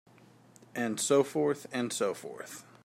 And so forth and so forth.